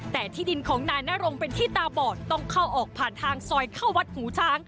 แต่ที่ดินของนายนรงเป็นที่ตาบอดต้องเข้าออกผ่านทางซอยเข้าวัดหูช้าง